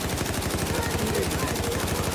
Destûrê bide.